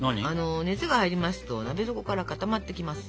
熱が入りますと鍋底からかたまってきます。